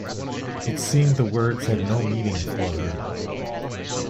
It seemed the words had no meaning for her.